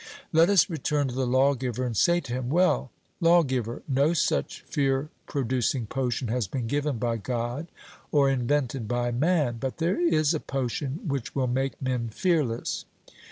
Let us return to the lawgiver and say to him, 'Well, lawgiver, no such fear producing potion has been given by God or invented by man, but there is a potion which will make men fearless.'